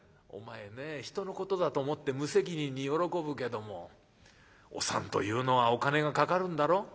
「お前ねえひとのことだと思って無責任に喜ぶけどもお産というのはお金がかかるんだろ？」。